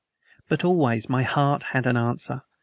But, always, my heart had an answer.